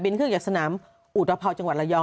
บินขึ้นจากสนามอุตภาพจังหวัดระยอง